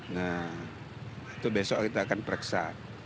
nah itu besok kita akan periksa